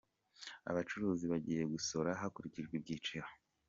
Abacuruzi bagiye gusora hakurikijwe ibyiciro